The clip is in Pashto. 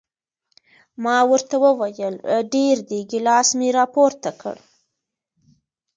ما ورته وویل ډېر دي، ګیلاس مې را پورته کړ.